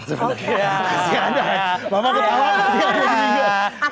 pasti ada bapak bilang